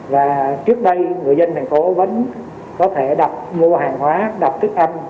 và trước đây người dân thành phố vẫn có thể đập mua hàng hóa đập thức ăn